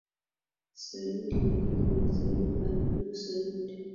Sayyid Majid bin Said Al Bu said